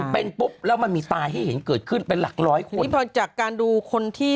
เป็นปุ๊บแล้วมันมีตายให้เห็นเกิดขึ้นเป็นหลักร้อยคนจากการดูคนที่